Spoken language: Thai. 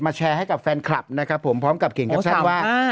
แชร์ให้กับแฟนคลับนะครับผมพร้อมกับเขียนแคปชั่นว่า